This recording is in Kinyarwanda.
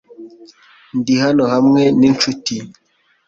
Ndi hano hamwe ninshuti .